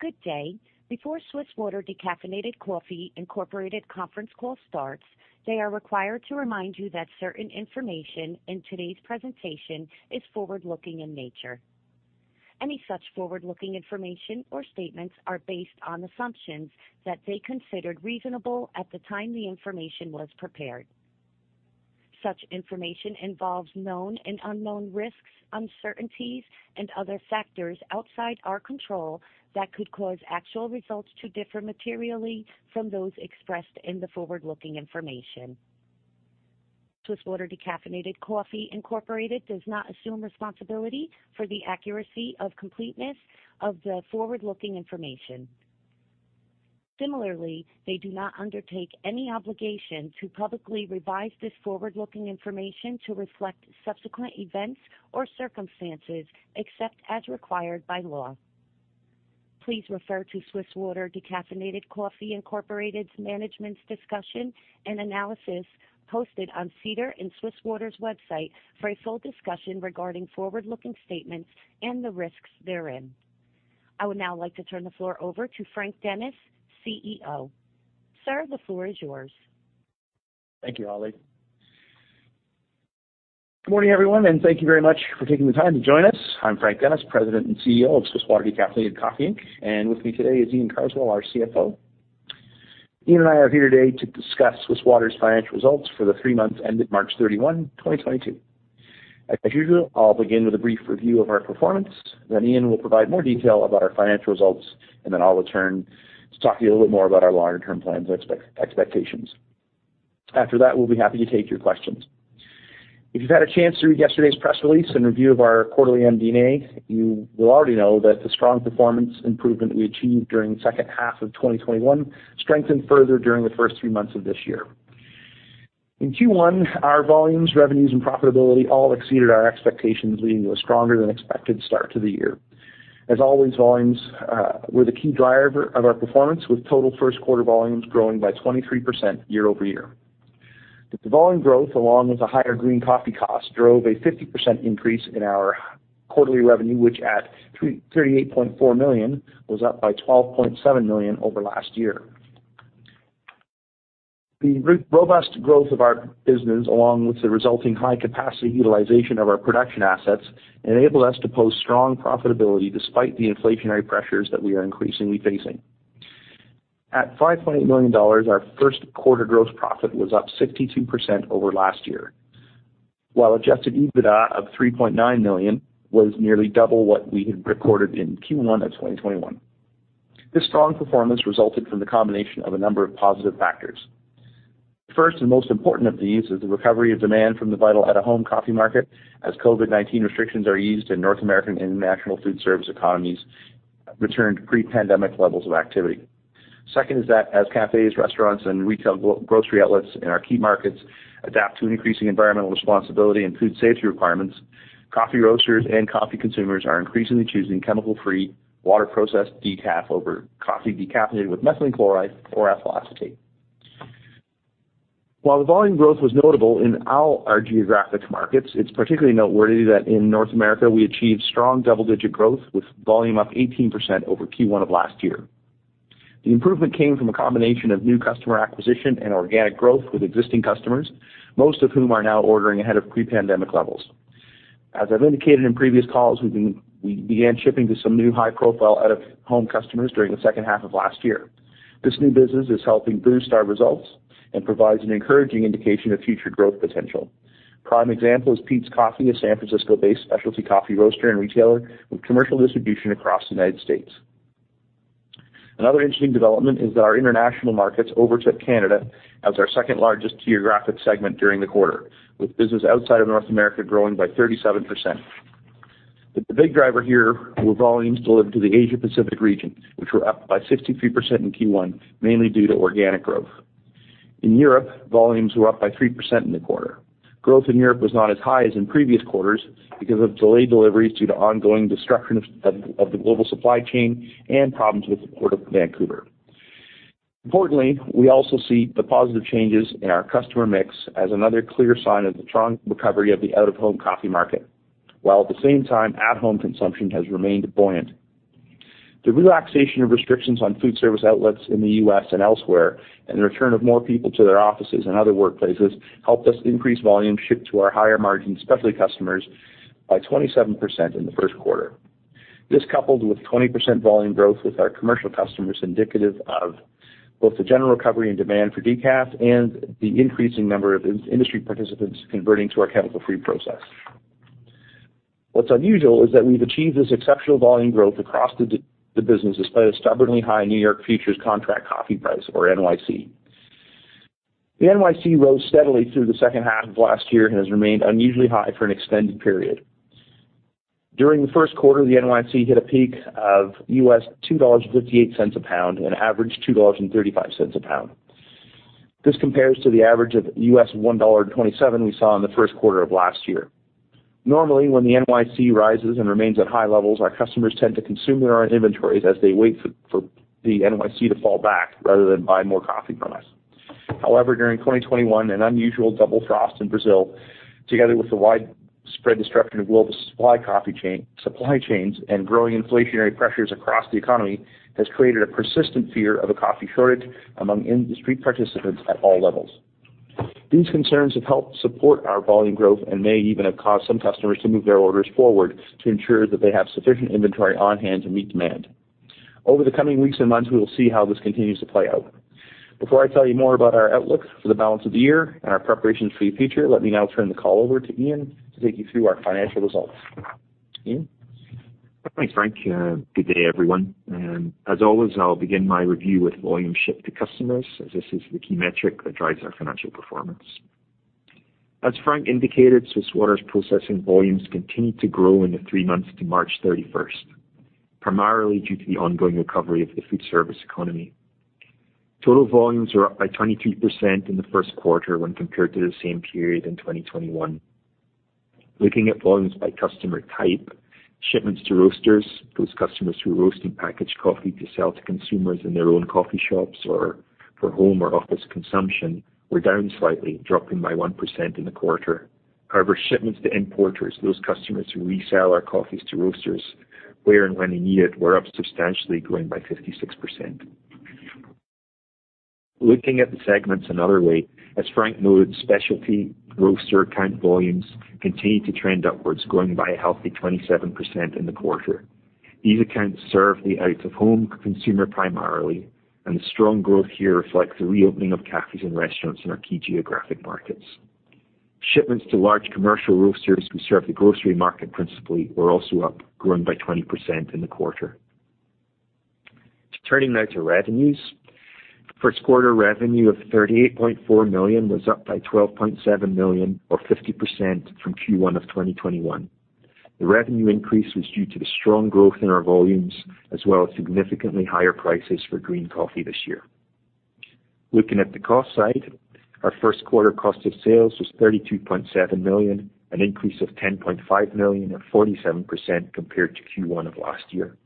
Good day. Before Swiss Water Decaffeinated Coffee Inc. conference call starts, they are required to remind you that certain information in today's presentation is forward-looking in nature. Any such forward-looking information or statements are based on assumptions that they considered reasonable at the time the information was prepared. Such information involves known and unknown risks, uncertainties, and other factors outside their control that could cause actual results to differ materially from those expressed in the forward-looking information. Swiss Water Decaffeinated Coffee Inc. does not assume responsibility for the accuracy or completeness of the forward-looking information. Similarly, they do not undertake any obligation to publicly revise this forward-looking information to reflect subsequent events or circumstances, except as required by law. Please refer to Swiss Water Decaffeinated Coffee Inc.'s Management's Discussion and Analysis posted on SEDAR and Swiss Water's website for a full discussion regarding forward-looking statements and the risks therein. I would now like to turn the floor over to Frank Dennis, CEO. Sir, the floor is yours. Thank you, Molly. Good morning, everyone, and thank you very much for taking the time to join us. I'm Frank Dennis, President and CEO of Swiss Water Decaffeinated Coffee Inc. With me today is Iain Carswell, our CFO. Iain and I are here today to discuss Swiss Water's financial results for the three months ended March 31, 2022. As usual, I'll begin with a brief review of our performance. Iain will provide more detail about our financial results, and then I'll return to talk to you a little bit more about our longer-term plans and expectations. After that, we'll be happy to take your questions. If you've had a chance to read yesterday's press release in review of our quarterly MD&A, you will already know that the strong performance improvement we achieved during the second half of 2021 strengthened further during the first three months of this year. In Q1, our volumes, revenues, and profitability all exceeded our expectations, leading to a stronger than expected start to the year. As always, volumes were the key driver of our performance, with total first quarter volumes growing by 23% year-over-year. With the volume growth, along with a higher green coffee cost, drove a 50% increase in our quarterly revenue, which at 38.4 million, was up by 12.7 million over last year. The robust growth of our business, along with the resulting high capacity utilization of our production assets, enabled us to post strong profitability despite the inflationary pressures that we are increasingly facing. At 5.8 million dollars, our first quarter gross profit was up 62% over last year, while Adjusted EBITDA of 3.9 million was nearly double what we had recorded in Q1 of 2021. This strong performance resulted from the combination of a number of positive factors. First, and most important of these, is the recovery of demand from the vital at-home coffee market as COVID-19 restrictions are eased in North American and international food service economies return to pre-pandemic levels of activity. Second is that as cafes, restaurants, and retail grocery outlets in our key markets adapt to an increasing environmental responsibility and food safety requirements, coffee roasters and coffee consumers are increasingly choosing chemical-free water processed decaf over coffee decaffeinated with methylene chloride or ethyl acetate. While the volume growth was notable in all our geographic markets, it's particularly noteworthy that in North America, we achieved strong double-digit growth, with volume up 18% over Q1 of last year. The improvement came from a combination of new customer acquisition and organic growth with existing customers, most of whom are now ordering ahead of pre-pandemic levels. As I've indicated in previous calls, we began shipping to some new high-profile out of home customers during the second half of last year. This new business is helping boost our results and provides an encouraging indication of future growth potential. Prime example is Peet's Coffee, a San Francisco-based specialty coffee roaster and retailer with commercial distribution across the United States. Another interesting development is that our international markets overtook Canada as our second-largest geographic segment during the quarter, with business outside of North America growing by 37%. The big driver here were volumes delivered to the Asia Pacific region, which were up by 63% in Q1, mainly due to organic growth. In Europe, volumes were up by 3% in the quarter. Growth in Europe was not as high as in previous quarters because of delayed deliveries due to ongoing disruption of the global supply chain and problems with the Port of Vancouver. Importantly, we also see the positive changes in our customer mix as another clear sign of the strong recovery of the out-of-home coffee market, while at the same time, at-home consumption has remained buoyant. The relaxation of restrictions on food service outlets in the U.S. and elsewhere, and the return of more people to their offices and other workplaces helped us increase volume shipped to our higher margin specialty customers by 27% in the first quarter. This coupled with 20% volume growth with our commercial customers, indicative of both the general recovery and demand for decaf and the increasing number of in-industry participants converting to our chemical-free process. What's unusual is that we've achieved this exceptional volume growth across the business despite a stubbornly high New York Coffee Futures contract coffee price or NYC. The NYC rose steadily through the second half of last year and has remained unusually high for an extended period. During the first quarter, the NYC hit a peak of $2.58 a pound and averaged $2.35 a pound. This compares to the average of $1.27 we saw in the first quarter of last year. Normally, when the NYC rises and remains at high levels, our customers tend to consume their own inventories as they wait for the NYC to fall back rather than buy more coffee from us. However, during 2021, an unusual double frost in Brazil, together with the widespread disruption of global supply chains and growing inflationary pressures across the economy, has created a persistent fear of a coffee shortage among industry participants at all levels. These concerns have helped support our volume growth and may even have caused some customers to move their orders forward to ensure that they have sufficient inventory on hand to meet demand. Over the coming weeks and months, we will see how this continues to play out. Before I tell you more about our outlook for the balance of the year and our preparations for the future, let me now turn the call over to Iain to take you through our financial results. Iain? Thanks, Frank. Good day, everyone. As always, I'll begin my review with volume shipped to customers, as this is the key metric that drives our financial performance. As Frank indicated, Swiss Water's processing volumes continued to grow in the three months to March 31st, primarily due to the ongoing recovery of the food service economy. Total volumes are up by 23% in the first quarter when compared to the same period in 2021. Looking at volumes by customer type, shipments to roasters, those customers who roast and package coffee to sell to consumers in their own coffee shops or for home or office consumption, were down slightly, dropping by 1% in the quarter. However, shipments to importers, those customers who resell our coffees to roasters where and when they need it, were up substantially, growing by 56%. Looking at the segments another way, as Frank noted, specialty roaster account volumes continued to trend upwards, growing by a healthy 27% in the quarter. These accounts serve the out-of-home consumer primarily, and the strong growth here reflects the reopening of cafes and restaurants in our key geographic markets. Shipments to large commercial roasters who serve the grocery market principally were also up, growing by 20% in the quarter. Turning now to revenues. First quarter revenue of 38.4 million was up by 12.7 million or 50% from Q1 of 2021. The revenue increase was due to the strong growth in our volumes as well as significantly higher prices for green coffee this year. Looking at the cost side, our first quarter cost of sales was 32.7 million, an increase of 10.5 million or 47% compared to Q1 of last year.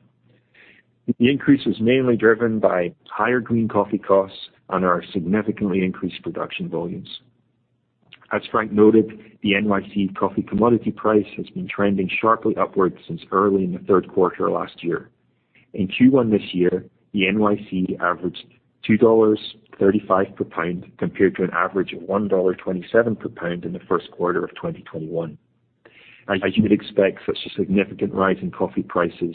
The increase was mainly driven by higher green coffee costs on our significantly increased production volumes. As Frank noted, the NYC coffee commodity price has been trending sharply upwards since early in the third quarter last year. In Q1 this year, the NYC averaged $2.35 per pound, compared to an average of $1.27 per pound in the first quarter of 2021. As you would expect, such a significant rise in coffee prices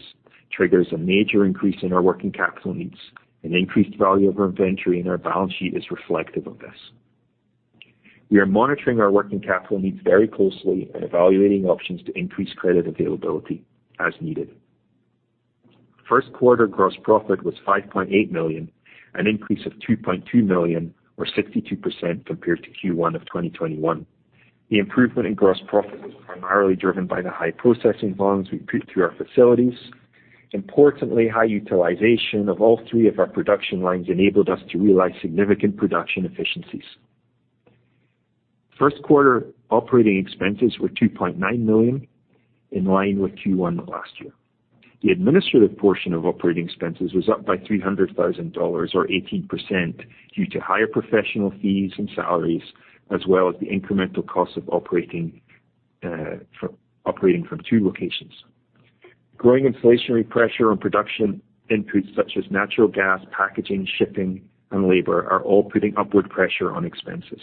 triggers a major increase in our working capital needs, an increased value of our inventory, and our balance sheet is reflective of this. We are monitoring our working capital needs very closely and evaluating options to increase credit availability as needed. First quarter gross profit was 5.8 million, an increase of 2.2 million or 62% compared to Q1 of 2021. The improvement in gross profit was primarily driven by the high processing volumes we put through our facilities. Importantly, high utilization of all three of our production lines enabled us to realize significant production efficiencies. First quarter operating expenses were 2.9 million, in line with Q1 of last year. The administrative portion of operating expenses was up by 300,000 dollars or 18% due to higher professional fees and salaries, as well as the incremental cost of operating from two locations. Growing inflationary pressure on production inputs such as natural gas, packaging, shipping, and labor are all putting upward pressure on expenses.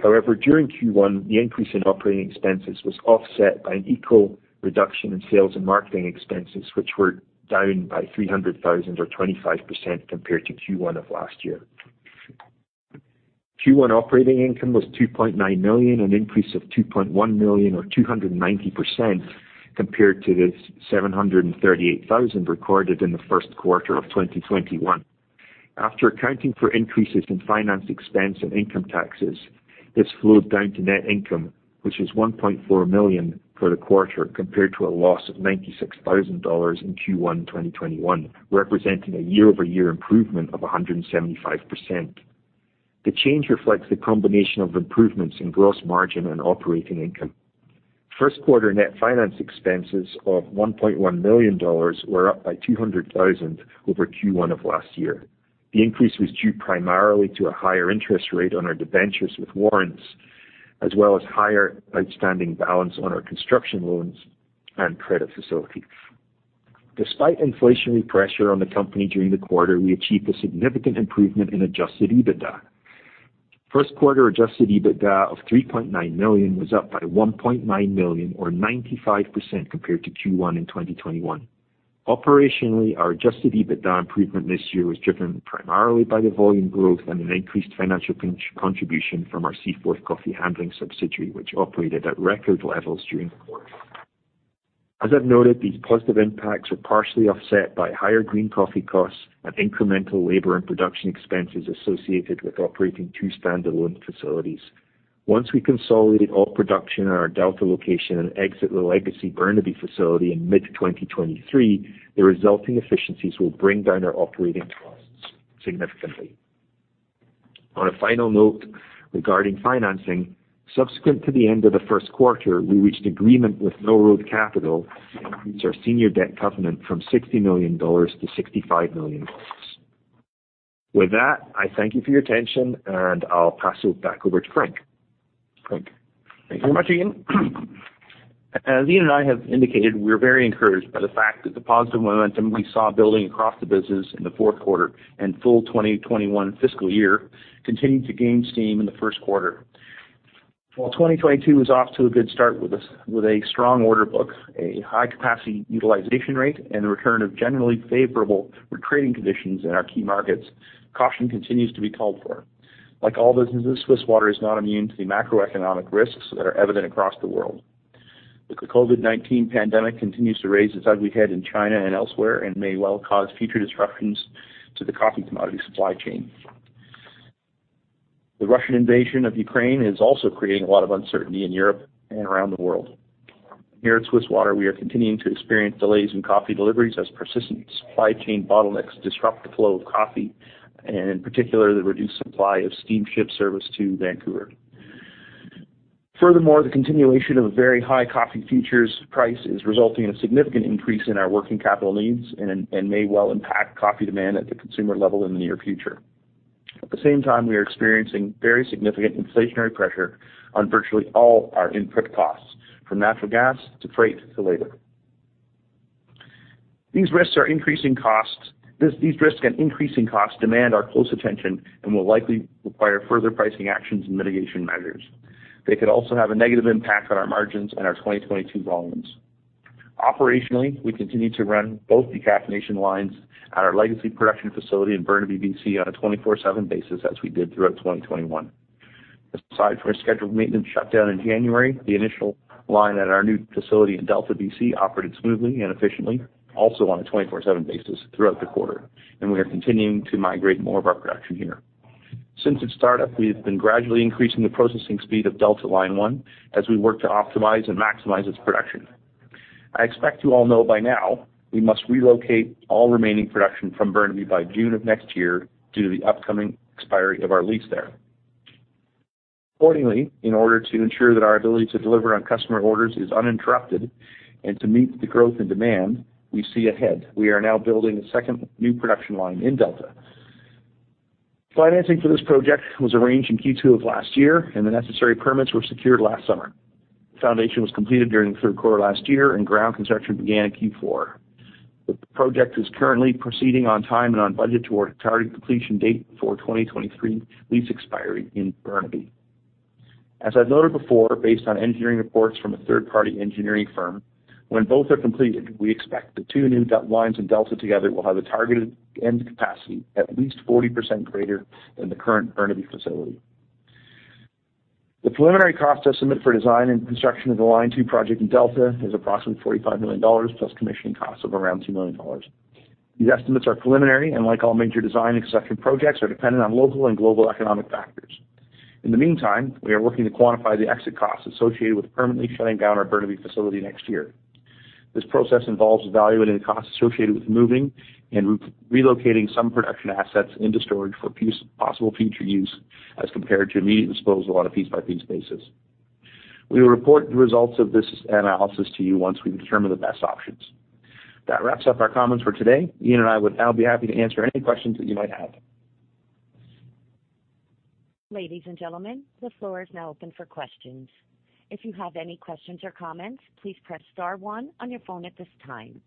However, during Q1, the increase in operating expenses was offset by an equal reduction in sales and marketing expenses, which were down by 300,000 or 25% compared to Q1 of last year. Q1 operating income was 2.9 million, an increase of 2.1 million or 290% compared to the 738,000 recorded in the first quarter of 2021. After accounting for increases in finance expense and income taxes, this flows down to net income, which is 1.4 million for the quarter, compared to a loss of 96,000 dollars in Q1 2021, representing a year-over-year improvement of 175%. The change reflects the combination of improvements in gross margin and operating income. First quarter net finance expenses of 1.1 million dollars were up by 200,000 over Q1 of last year. The increase was due primarily to a higher interest rate on our debentures with warrants, as well as higher outstanding balance on our construction loans and credit facilities. Despite inflationary pressure on the company during the quarter, we achieved a significant improvement in Adjusted EBITDA. First quarter Adjusted EBITDA of 3.9 million was up by 1.9 million or 95% compared to Q1 in 2021. Operationally, our Adjusted EBITDA improvement this year was driven primarily by the volume growth and an increased financial contribution from our Seaforth Supply Chain Solutions subsidiary, which operated at record levels during the quarter. As I've noted, these positive impacts are partially offset by higher green coffee costs and incremental labor and production expenses associated with operating two standalone facilities. Once we consolidate all production at our Delta location and exit the legacy Burnaby facility in mid-2023, the resulting efficiencies will bring down our operating costs significantly. On a final note regarding financing. Subsequent to the end of the first quarter, we reached agreement with Mill Road Capital to increase our senior debt covenant from 60 million dollars to 65 million dollars. With that, I thank you for your attention, and I'll pass it back over to Frank. Frank? Thank you very much, Iain. As Iain and I have indicated, we're very encouraged by the fact that the positive momentum we saw building across the business in the fourth quarter and full 2021 fiscal year continued to gain steam in the first quarter. While 2022 is off to a good start with a strong order book, a high capacity utilization rate, and the return of generally favorable trading conditions in our key markets, caution continues to be called for. Like all businesses, Swiss Water is not immune to the macroeconomic risks that are evident across the world. The COVID-19 pandemic continues to raise its ugly head in China and elsewhere and may well cause future disruptions to the coffee commodity supply chain. The Russian invasion of Ukraine is also creating a lot of uncertainty in Europe and around the world. Here at Swiss Water, we are continuing to experience delays in coffee deliveries as persistent supply chain bottlenecks disrupt the flow of coffee, and in particular, the reduced supply of steamship service to Vancouver. Furthermore, the continuation of a very high coffee futures price is resulting in a significant increase in our working capital needs and may well impact coffee demand at the consumer level in the near future. At the same time, we are experiencing very significant inflationary pressure on virtually all our input costs, from natural gas to freight to labor. These risks are increasing costs. These risks and increasing costs demand our close attention and will likely require further pricing actions and mitigation measures. They could also have a negative impact on our margins and our 2022 volumes. Operationally, we continue to run both decaffeination lines at our legacy production facility in Burnaby, BC on a 24/7 basis as we did throughout 2021. Aside from a scheduled maintenance shutdown in January, the initial line at our new facility in Delta, BC operated smoothly and efficiently, also on a 24/7 basis throughout the quarter, and we are continuing to migrate more of our production here. Since its startup, we have been gradually increasing the processing speed of Delta line one as we work to optimize and maximize its production. I expect you all know by now, we must relocate all remaining production from Burnaby by June of next year due to the upcoming expiry of our lease there. Accordingly, in order to ensure that our ability to deliver on customer orders is uninterrupted and to meet the growth and demand we see ahead, we are now building a second new production line in Delta. Financing for this project was arranged in Q2 of last year, and the necessary permits were secured last summer. Foundation was completed during the third quarter last year, and ground construction began in Q4. The project is currently proceeding on time and on budget toward a targeted completion date for 2023 lease expiry in Burnaby. As I've noted before, based on engineering reports from a third-party engineering firm, when both are completed, we expect the two new lines in Delta together will have a targeted end capacity at least 40% greater than the current Burnaby facility. The preliminary cost estimate for design and construction of the line two project in Delta is approximately 45 million dollars plus commissioning costs of around 2 million dollars. These estimates are preliminary and like all major design and construction projects, are dependent on local and global economic factors. In the meantime, we are working to quantify the exit costs associated with permanently shutting down our Burnaby facility next year. This process involves evaluating the costs associated with moving and re-relocating some production assets into storage for possible future use as compared to immediate disposal on a piece-by-piece basis. We will report the results of this analysis to you once we determine the best options. That wraps up our comments for today. Iain and I would now be happy to answer any questions that you might have. Ladies and gentlemen, the floor is now open for questions. If you have any questions or comments, please press star-one on your phone at this time.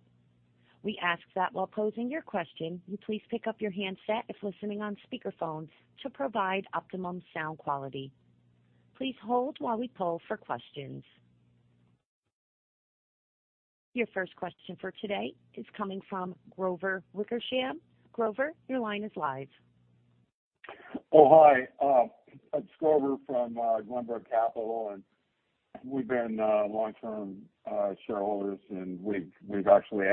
We ask that while posing your question, you please pick up your handset if listening on speakerphone to provide optimum sound quality. Please hold while we poll for questions. Your first question for today is coming from Grover Wickersham. Grover, your line is live. It's Grover from Glenbrook Capital, and we've been long-term shareholders, and we've actually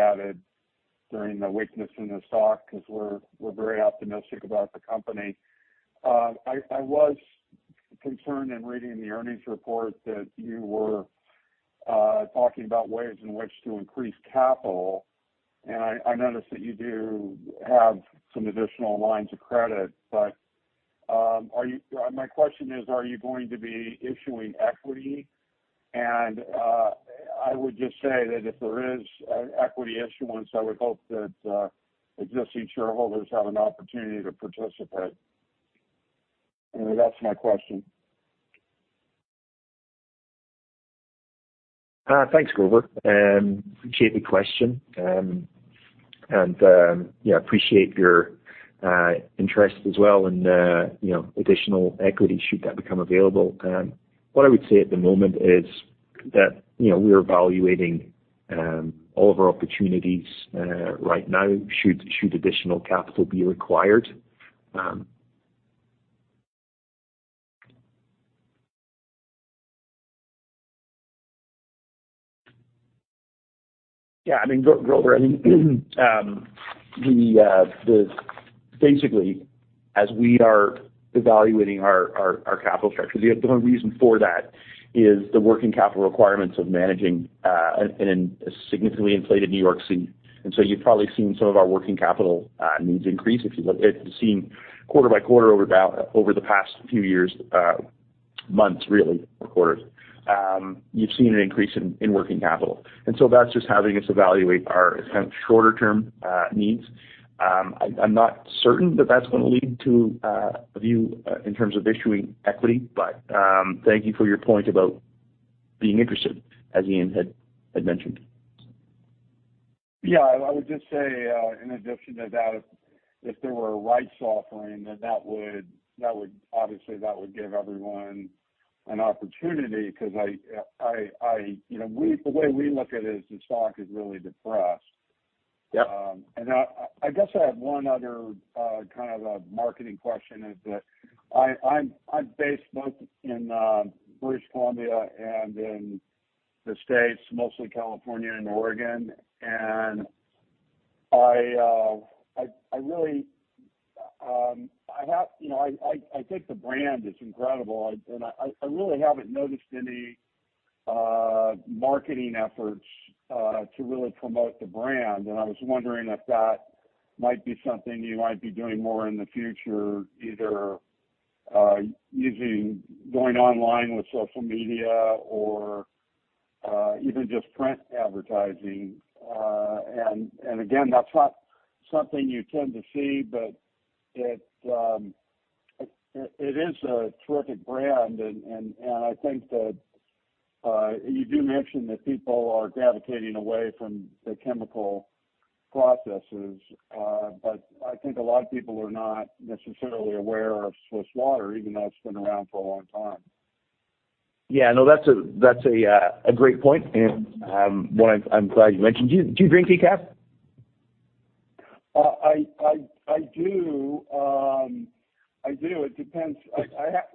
added during the weakness in the stock because we're very optimistic about the company. I was concerned in reading the earnings report that you were talking about ways in which to increase capital, and I noticed that you do have some additional lines of credit. My question is, are you going to be issuing equity? I would just say that if there is equity issuance, I would hope that existing shareholders have an opportunity to participate. That's my question. Thanks, Grover, appreciate the question. Yeah, appreciate your interest as well and you know, additional equity should that become available. What I would say at the moment is that you know, we are evaluating all of our opportunities right now should additional capital be required. Yeah, I mean, Grover, Basically, as we are evaluating our capital structures, the reason for that is the working capital requirements of managing in a significantly inflated NYC. You've probably seen some of our working capital needs increase. If you've seen quarter by quarter over the past few years, months, really, or quarters, you've seen an increase in working capital. That's just having us evaluate our kind of shorter-term needs. I'm not certain that that's going to lead to a view in terms of issuing equity, but thank you for your point about being interested, as Iain had mentioned. Yeah. I would just say, in addition to that, if there were a rights offering, then that would obviously give everyone an opportunity. Because you know, the way we look at it is the stock is really depressed. I guess I have one other kind of a marketing question, is that I'm based both in British Columbia and in the States, mostly California and Oregon, and I think the brand is incredible. I really haven't noticed any marketing efforts to really promote the brand, and I was wondering if that might be something you might be doing more in the future, either going online with social media or even just print advertising. Again, that's not something you tend to see, but it is a terrific brand. I think that you do mention that people are gravitating away from the chemical processes, but I think a lot of people are not necessarily aware of Swiss Water, even though it's been around for a long time. Yeah. No, that's a great point, and one I'm glad you mentioned. Do you drink decaf? I do. It depends.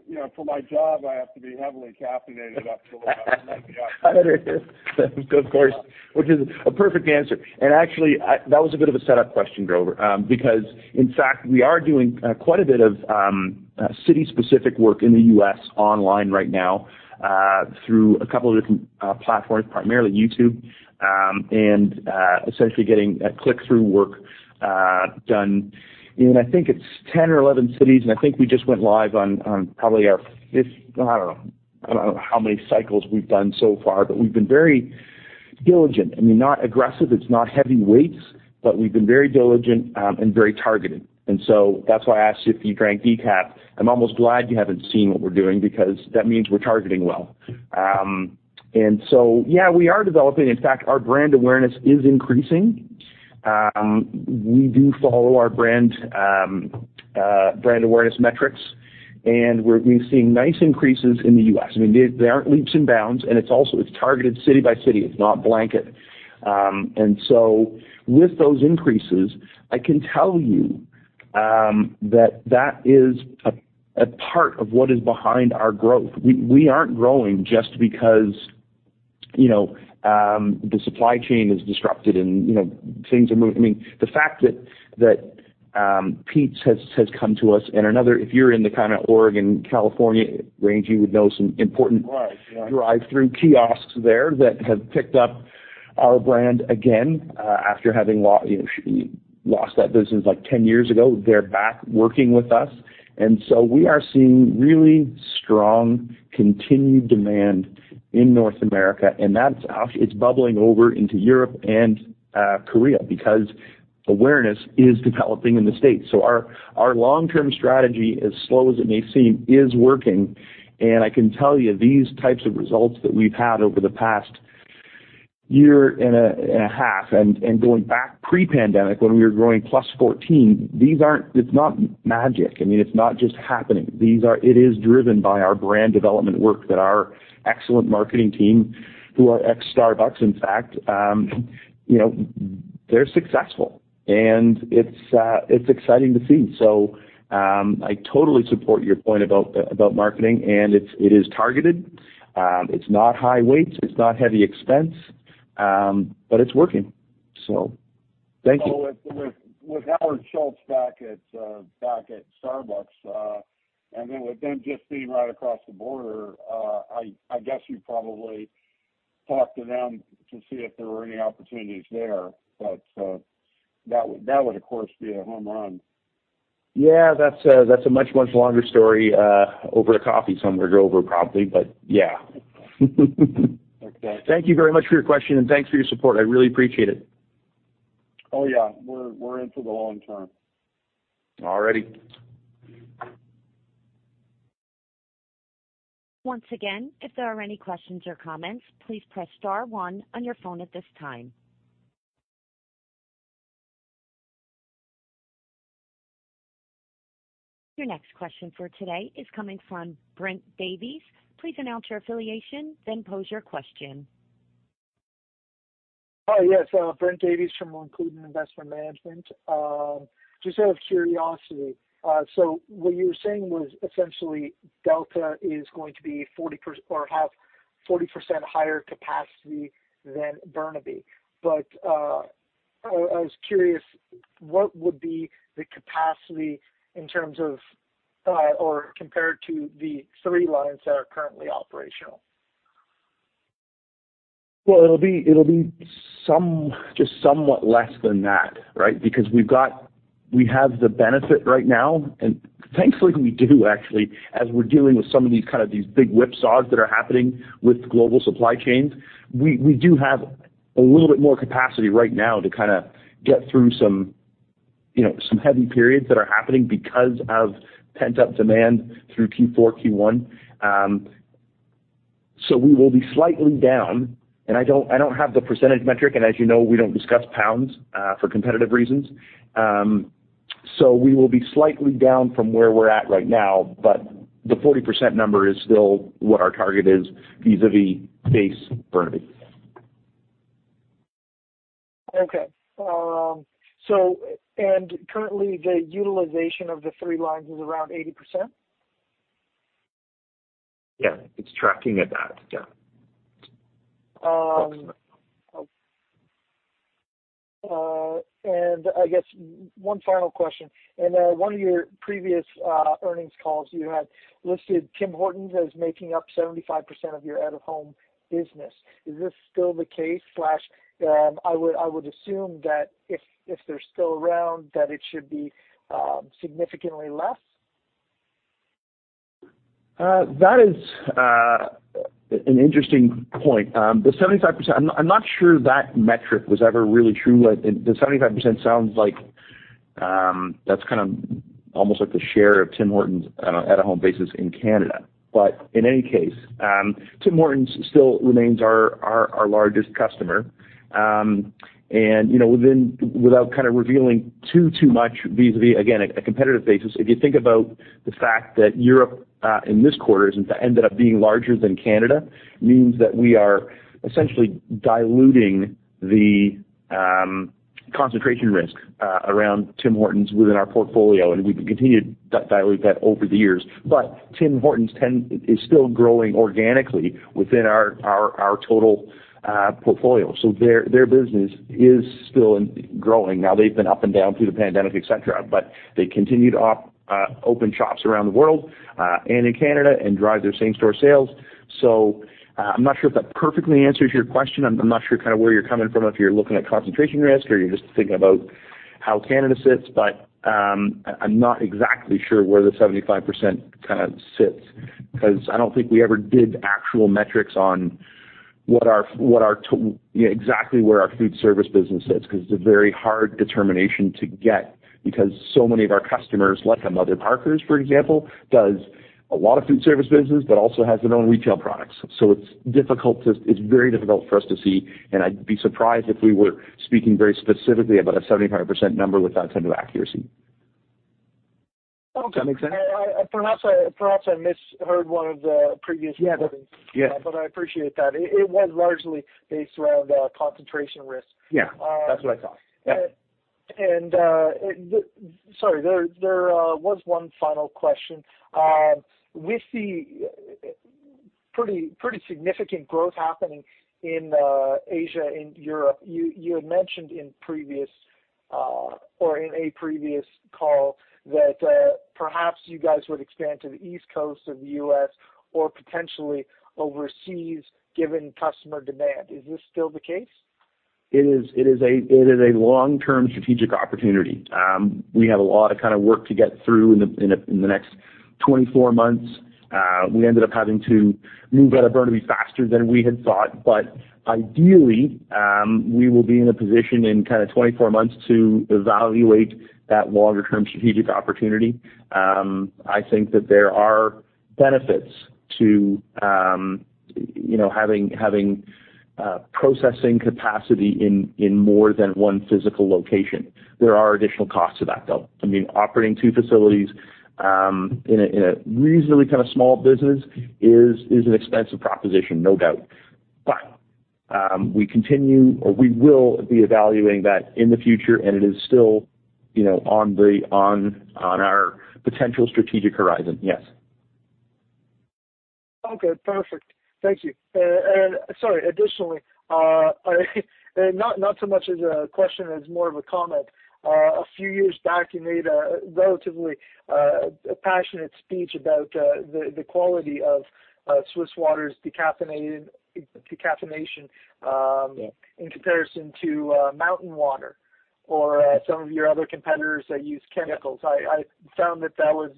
You know, for my job, I have to be heavily caffeinated up till about maybe. I heard you. Of course, which is a perfect answer. Actually, that was a bit of a setup question, Grover. Because in fact, we are doing quite a bit of city-specific work in the U.S. online right now through a couple of different platforms, primarily YouTube. Essentially getting a click-through work done in I think it's 10 or 11 cities, and I think we just went live on probably our fifth. I don't know how many cycles we've done so far, but we've been very diligent. I mean, not aggressive. It's not heavyweights, but we've been very diligent and very targeted. That's why I asked you if you drank decaf. I'm almost glad you haven't seen what we're doing because that means we're targeting well. Yeah, we are developing. In fact, our brand awareness is increasing. We do follow our brand awareness metrics, and we've seen nice increases in the U.S. I mean, they aren't leaps and bounds, and it's also targeted city by city. It's not blanket. With those increases, I can tell you that is a part of what is behind our growth. We aren't growing just because, you know, the supply chain is disrupted and, you know, things are moving. I mean, the fact that Peet's has come to us and another. If you're in the kinda Oregon, California range, you would know some important drive-through kiosks there that have picked up our brand again, after having lost that business, like, 10 years ago. They're back working with us. We are seeing really strong continued demand in North America, and that's. It's bubbling over into Europe and Korea because awareness is developing in the States. Our long-term strategy, as slow as it may seem, is working. I can tell you these types of results that we've had over the past year and a half and going back pre-pandemic when we were growing +14%, these aren't. It's not magic. I mean, it's not just happening. These are. It is driven by our brand development work that our excellent marketing team, who are ex-Starbucks, in fact, you know, they're successful, and it's exciting to see. I totally support your point about marketing, and it's targeted. It's not high weights. It's not heavy expense, but it's working. Thank you. With Howard Schultz back at Starbucks, and then with them just being right across the border, I guess you probably talked to them to see if there were any opportunities there. That would, of course, be a home run. Yeah, that's a much longer story over a coffee somewhere, Grover, probably, but yeah. Thank you very much for your question, and thanks for your support. I really appreciate it. Oh, yeah. We're in for the long-term. All righty. Once again, if there are any questions or comments, please press star-one on your phone at this time. Your next question for today is coming from Brent Davies. Please announce your affiliation, then pose your question. Hi. Yes, [Brent Davies from Monkuna Investment Management]. Just out of curiosity, so what you were saying was essentially Delta is going to be forty or have 40% higher capacity than Burnaby. I was curious. What would be the capacity in terms of, or compared to the three lines that are currently operational? Well, it'll be just somewhat less than that, right? Because we have the benefit right now, and thankfully we do actually, as we're dealing with some of these kind of big whipsaws that are happening with global supply chains. We do have a little bit more capacity right now to kind of get through some, you know, some heavy periods that are happening because of pent-up demand through Q4, Q1. We will be slightly down, and I don't have the percentage metric, and as you know, we don't discuss pounds for competitive reasons. We will be slightly down from where we're at right now, but the 40% number is still what our target is vis-à-vis base Burnaby. Currently the utilization of the three lines is around 80%? Yeah, it's tracking at that, yeah. I guess one final question. In one of your previous earnings calls, you had listed Tim Hortons as making up 75% of your out-of-home business. Is this still the case? I would assume that if they're still around, that it should be significantly less. That is an interesting point. The 75%, I'm not sure that metric was ever really true. The 75% sounds like that's kind of almost like the share of Tim Hortons on a home basis in Canada. In any case, Tim Hortons still remains our largest customer. You know, without kind of revealing too much vis-a-vis a competitive basis, if you think about the fact that Europe in this quarter has ended up being larger than Canada, means that we are essentially diluting the concentration risk around Tim Hortons within our portfolio, and we've continued to dilute that over the years. Tim Hortons is still growing organically within our total portfolio. Their business is still growing. Now, they've been up and down through the pandemic, etc., but they continue to open shops around the world, and in Canada and drive their same-store sales. I'm not sure if that perfectly answers your question. I'm not sure kinda where you're coming from, if you're looking at concentration risk or you're just thinking about how Canada sits. I'm not exactly sure where the 75% kinda sits because I don't think we ever did actual metrics on what our exactly where our food service business sits, because it's a very hard determination to get because so many of our customers, like a Mother Parkers, for example, does a lot of food service business, but also has their own retail products. It's difficult. It's very difficult for us to see. I'd be surprised if we were speaking very specifically about a 75% number with that kind of accuracy. Does that make sense? Perhaps I misheard one of the previous recordings. I appreciate that. It was largely based around concentration risk. Yeah, that's what I thought. Yeah. Sorry, there was one final question. We see pretty significant growth happening in Asia and Europe. You had mentioned in previous or in a previous call that perhaps you guys would expand to the East Coast of the U.S. or potentially overseas, given customer demand. Is this still the case? It is a long-term strategic opportunity. We have a lot of kind of work to get through in the next 24 months. We ended up having to move out of Burnaby faster than we had thought. Ideally, we will be in a position in kind of 24 months to evaluate that longer-term strategic opportunity. I think that there are benefits to, you know, having processing capacity in more than one physical location. There are additional costs to that, though. I mean, operating two facilities in a reasonably kind of small business is an expensive proposition, no doubt. We continue or we will be evaluating that in the future, and it is still, you know, on our potential strategic horizon, yes. Okay, perfect. Thank you. Sorry. Additionally, not so much as a question as more of a comment. A few years back, you made a relatively passionate speech about the quality of Swiss Water's decaffeination in comparison to Mountain Water or some of your other competitors that use chemicals. I found that was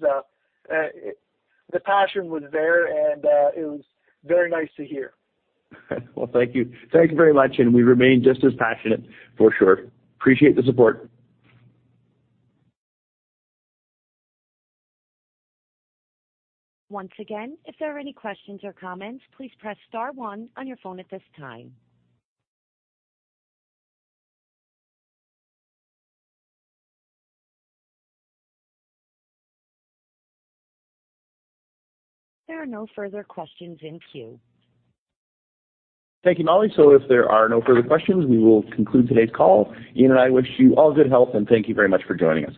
the passion was there, and it was very nice to hear. Well, thank you. Thank you very much. We remain just as passionate for sure. Appreciate the support. Once again, if there are any questions or comments, please press star-one on your phone at this time. There are no further questions in queue. Thank you, Molly. If there are no further questions, we will conclude today's call. Iain and I wish you all good health, and thank you very much for joining us.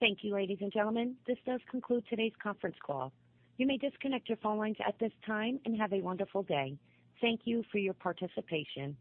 Thank you, ladies and gentlemen. This does conclude today's conference call. You may disconnect your phone lines at this time and have a wonderful day. Thank you for your participation.